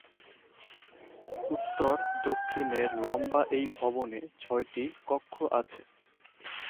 উত্তর দক্ষিণে লম্বা এই ভবনে ছয়টি কক্ষ আছে।